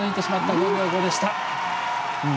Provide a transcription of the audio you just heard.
５秒５でした。